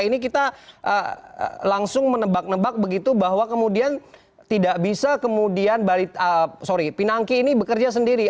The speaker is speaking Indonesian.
ini kita langsung menebak nebak begitu bahwa kemudian tidak bisa kemudian sorry pinangki ini bekerja sendiri